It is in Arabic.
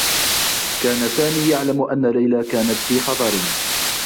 كان سامي يعلم أنّ ليلى كانت في خطر.